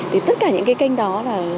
thì tất cả những cái kênh đó là